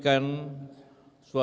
dan membangun kebangsaan kita